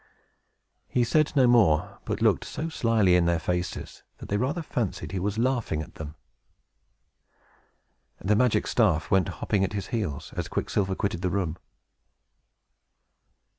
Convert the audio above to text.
He said no more, but looked so slyly in their faces, that they rather fancied he was laughing at them. The magic staff went hopping at his heels, as Quicksilver quitted the room.